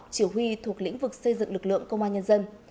chỉ huy thuộc lĩnh vực xây dựng lực lượng công an nhân dân